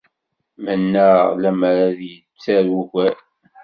Mennaɣ lemmer d ay d-yettaru ugar.